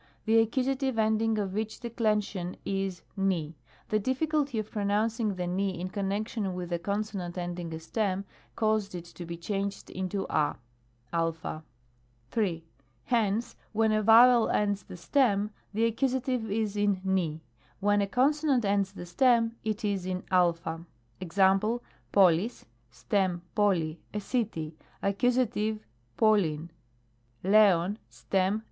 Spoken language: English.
The Accus. ending of each Declension is v\ the difficulty of pronouncing, the v in connection with the consonant ending a stem, caused it to be changed into (X. 3. Hence, when a vowel ends the stem, the Accus. is in V. When a consonant ends the stem, it is in cc. Ex. noXiq (stem noXt)^ "a city," Accus. 7i6Xcv\ Xsojv (stem ^.